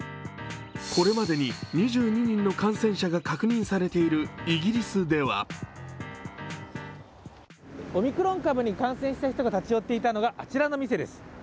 これまでに２２人の感染者が確認されているイギリスではオミクロン株に感染した人が立ち寄っていたのがあちらの店です。